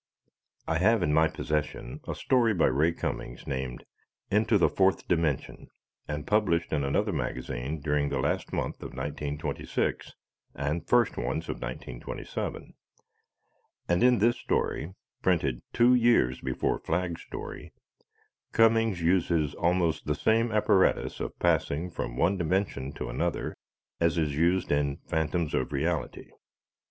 I have in my possession a story by Ray Cummings named "Into the Fourth Dimension" and published in another magazine during the last month of 1926 and first ones of 1927. And in this story printed two years before Flagg's story Cummings uses almost the same apparatus of passing from one dimension to another as is used in "Phantoms of Reality."